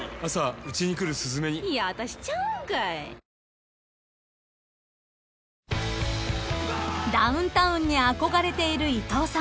ニトリ［ダウンタウンに憧れている伊藤さん］